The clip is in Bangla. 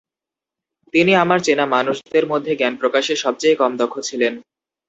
তিনি আমার চেনা মানুষদের মধ্যে জ্ঞান প্রকাশে সবচেয়ে কম দক্ষ ছিলেন।